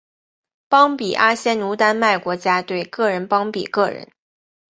邦比阿仙奴丹麦国家队个人邦比个人